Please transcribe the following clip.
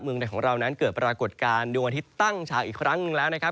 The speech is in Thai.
ในของเรานั้นเกิดปรากฏการณ์ดวงอาทิตย์ตั้งฉากอีกครั้งหนึ่งแล้วนะครับ